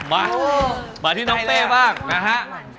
มามาที่น้องเป้บ้างนะฮะ